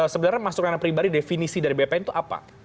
sebenarnya masuk ke ranah pribadi definisi dari bpn itu apa